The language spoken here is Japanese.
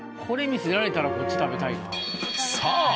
これ見せられたらこっち食べたいなぁ。